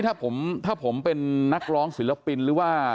ถ้าผมเป็นนักร้องศิลปินหรือว่า